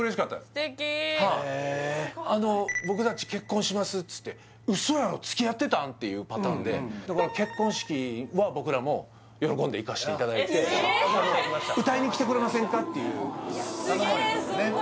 素敵「僕達結婚します」っつって「ウソやろつきあってたん！？」っていうパターンでだから結婚式は僕らも喜んで行かしていただいて「歌いに来てくれませんか？」っていう・頼まれたんでね